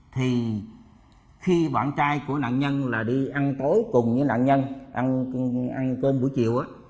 thì khi bạn trai của nạn nhân là đi ăn tối cùng với nạn nhân ăn cơm buổi chiều